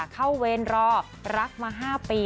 เข้าเวนรอรักมา๕ปี